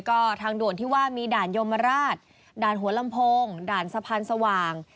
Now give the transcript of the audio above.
ก็ทางด่วนที่ว่ามีด่านโยมราชด่านหัวลำโพงด่านสะพานสว่าง